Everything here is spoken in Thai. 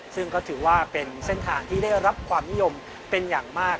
ซึ่งก็ถือว่าเป็นเส้นทางที่ได้รับความนิยมเป็นอย่างมาก